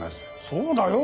そうだよ。